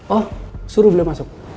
oh suruh beliau masuk